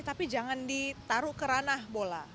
tapi jangan ditaruh keranah bola